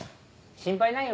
心配ないよ